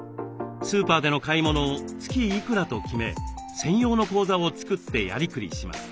スーパーでの買い物を「月いくら」と決め専用の口座を作ってやりくりします。